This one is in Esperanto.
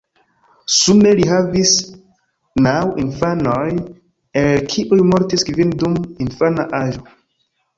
Sume li havis naŭ infanoj el kiuj mortis kvin dum infana aĝo.